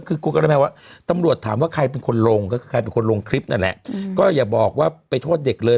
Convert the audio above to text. คือคุณกำลังว่าตำรวจถามว่าใครเป็นคนลงก็คือใครเป็นคนลงคลิปนั่นแหละก็อย่าบอกว่าไปโทษเด็กเลย